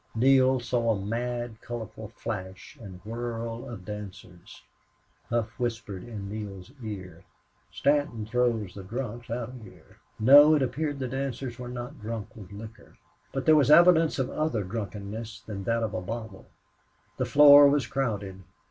Neale saw a mad, colorful flash and whirl of dancers. Hough whispered in Neale's ear: "Stanton throws the drunks out of here." No, it appeared the dancers were not drunk with liquor. But there was evidence of other drunkenness than that of the bottle. The floor was crowded.